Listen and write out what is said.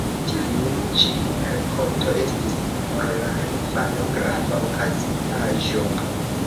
Tiu ĉi renkonto estis por la infano grava okazintaĵo.